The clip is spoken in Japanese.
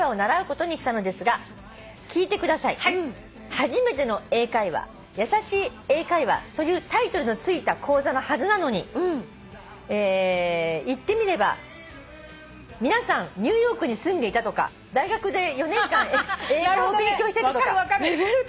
「『初めての英会話やさしい英会話』というタイトルの付いた講座のはずなのに行ってみれば皆さんニューヨークに住んでいたとか大学で４年間英語を勉強してたとか」